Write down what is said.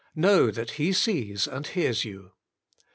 Know that He sees and hears you.